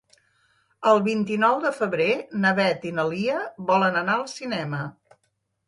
El vint-i-nou de febrer na Beth i na Lia volen anar al cinema.